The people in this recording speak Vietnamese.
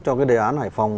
cho cái đề án hải phòng